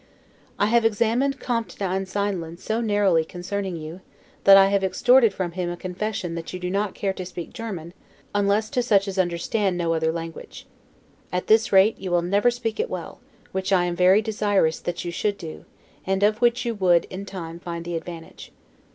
I have examined Comte d'Einsiedlen so narrowly concerning you, that I have extorted from him a confession that you do not care to speak German, unless to such as understand no other language. At this rate, you will never speak it well, which I am very desirous that you should do, and of which you would, in time, find the advantage.